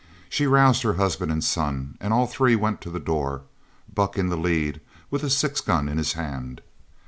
She roused her husband and son, and all three went to the door, Buck in the lead with his six gun in his hand.